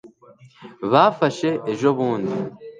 bafashe ejo bundi